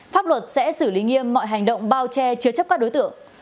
pháp luật sẽ xử lý nghiêm mọi hành động bao che chứa chấp các đối tượng